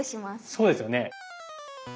そうですよね。